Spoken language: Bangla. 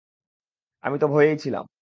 আমি তো ভয়েই ছিলাম।